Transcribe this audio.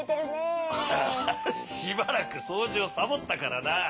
しばらくそうじをサボったからな。